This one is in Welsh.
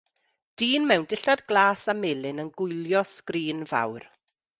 Dyn mewn dillad glas a melyn yn gwylio sgrin fawr.